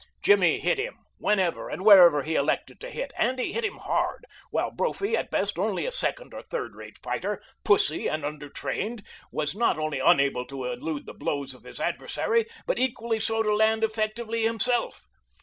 Jimmy hit him whenever and wherever he elected to hit, and he hit him hard, while Brophy, at best only a second or third rate fighter, pussy and undertrained, was not only unable to elude the blows of his adversary but equally so to land effectively himself.